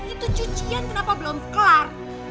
itu cucian kenapa belum kelar